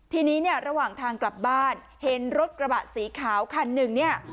ทีนี้เนี่ยระหว่างทางกลับบ้านเห็นรถกระบะสีขาวคันหนึ่งเนี่ย